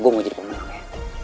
gue mau jadi pemenang ya